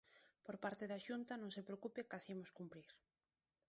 Por parte da Xunta, non se preocupe que as imos cumprir.